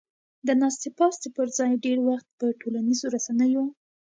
د ناستې پاستې پر ځای ډېر وخت په ټولنیزو رسنیو